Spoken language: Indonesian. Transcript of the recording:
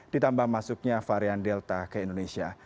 ditambah masuknya varian delta ke indonesia